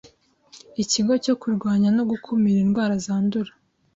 ikigo cyo kurwanya no gukumira indwara zandura,